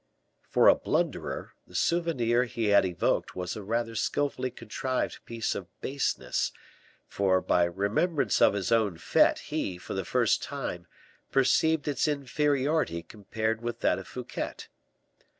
For a blunderer, the souvenir he had evoked was a rather skillfully contrived piece of baseness; for by the remembrance of his own fete he, for the first time, perceived its inferiority compared with that of Fouquet.